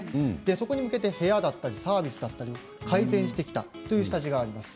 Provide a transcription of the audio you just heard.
そこに向けて部屋だったりサービスを改善してきたという下地があります。